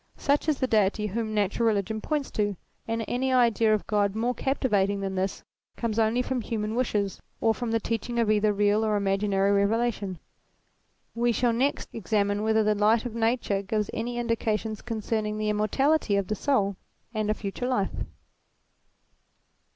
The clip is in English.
Such is the Deity whom Natural Eeligion points to ; and any ATTRIBUTES 195 idea of God more captivating than this comes only from human wishes, or from the teaching of either real or imaginary Eevelation. We shall next examine whether the light of nature gives any indications concerning the immortality of the soul, and a future life.